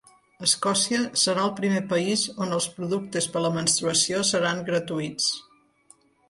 Escòcia serà el primer país on els productes per a la menstruació seran gratuïts.